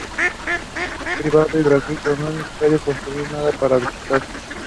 Es privado y gratuito, no es necesario consumir nada para visitarlo.